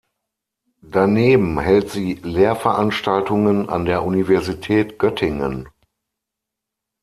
Daneben hält sie Lehrveranstaltungen an der Universität Göttingen.